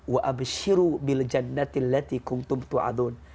wa abshiru bil jannatil lati kung tumtu adun